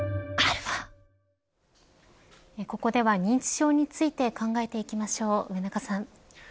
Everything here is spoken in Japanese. ここでは認知症について考えていきましょう、上中さん。